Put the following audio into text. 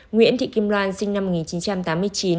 nguyễn thị kim loan sinh năm một nghìn chín trăm tám mươi chín